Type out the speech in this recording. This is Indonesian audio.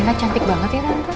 rena cantik banget ya tante